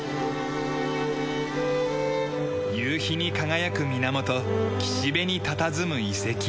夕日に輝く水面と岸辺にたたずむ遺跡。